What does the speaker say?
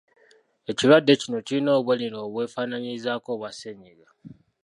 Ekirwadde kino kirina obubonero obwefaanaanyirizaako obwa ssennyiga.